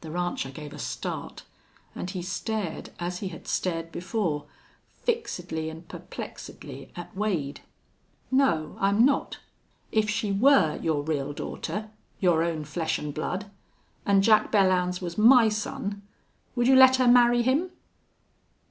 The rancher gave a start, and he stared as he had stared before, fixedly and perplexedly at Wade. "No, I'm not." "If she were your real daughter your own flesh an' blood an' Jack Belllounds was my son, would you let her marry him?"